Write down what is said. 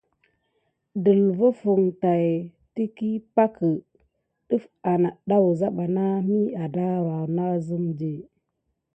Delva tät kisgəl pay pak kinze akani def adà wuza bà mi adara nasum di.